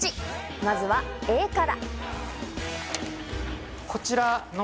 まずはＡから。